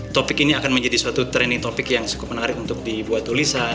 topik ini akan menjadi suatu training topic yang cukup menarik untuk dibuat tulisan